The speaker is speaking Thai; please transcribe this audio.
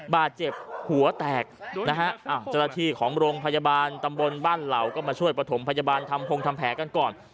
บาดเจ็บหัวแตกนะฮะเจ้าหน้าที่ของโรงพยาบาลตำบลบ้านเหล่าก็มาช่วยประถมพยาบาลทำพงทำแผลกันก่อน